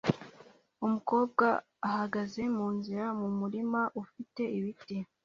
Umukobwa ahagaze munzira mumurima ufite ibiti